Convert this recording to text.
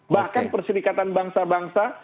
bahkan persyrikatan bangsa bangsa